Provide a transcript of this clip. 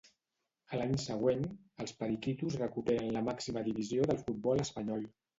A l'any següent, els periquitos recuperen la màxima divisió del futbol espanyol.